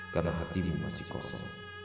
karena hatimu masih kosong